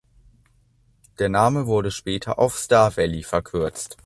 Der Name wurde später auf Star Valley verkürzt.